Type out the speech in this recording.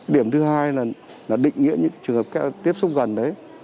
điểm thứ hai là định nghĩa những trường hợp tiếp xúc gần đấy